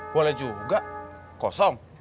boleh juga kosong